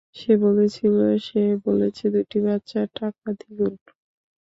সে বলছিল-- - সে বলেছে দুটি বাচ্চা, টাকা দ্বিগুণ।